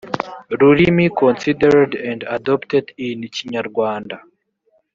rurimi considered and adopted in kinyarwanda